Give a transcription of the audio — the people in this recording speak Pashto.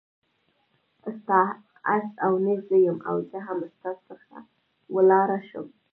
ستا هست او نیست زه یم او زه هم ستا څخه ولاړه شم.